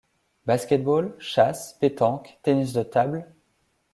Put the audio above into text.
Basket-ball, chasse, pétanque, tennis de table,